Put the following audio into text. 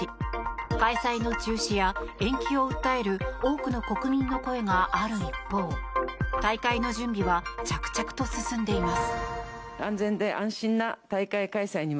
開催の中止や延期を訴える多くの国民の声がある一方大会の準備は着々と進んでいます。